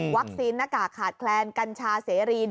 วัคซีนหน้ากากขาดแคลนกัญชาเสรี